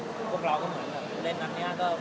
สวัสดีครับขออนุญาตถ้าใครถึงแฟนทีลักษณ์ที่เกิดอยู่แล้วค่ะ